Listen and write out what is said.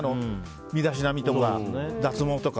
身だしなみとか脱毛とか。